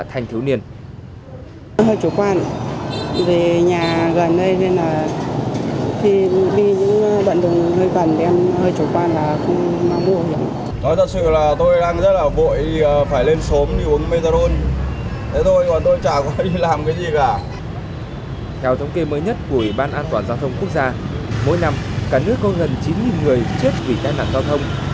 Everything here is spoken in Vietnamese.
theo thống kê mới nhất của ban an toàn gia thông quốc gia mỗi năm cả nước có gần chín người chết vì tai nạn giao thông